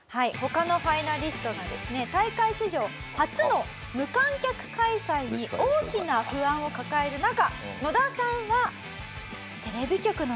他のファイナリストがですね大会史上初の無観客開催に大きな不安を抱える中野田さんは。